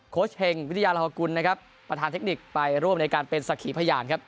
เฮงวิทยาลาฮกุลนะครับประธานเทคนิคไปร่วมในการเป็นสักขีพยานครับ